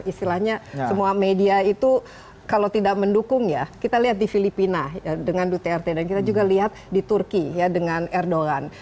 istilahnya semua media itu kalau tidak mendukung ya kita lihat di filipina dengan duterte dan kita juga lihat di turki ya dengan erdogan